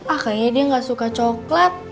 ah kayaknya dia gak suka coklat